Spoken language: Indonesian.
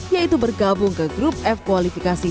yaitu bergabung ke grup f kualifikasi